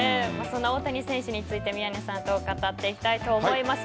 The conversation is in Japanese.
そんな大谷選手について宮根さんと語っていきたいと思います。